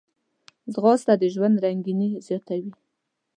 ځغاسته د ژوند رنګیني زیاتوي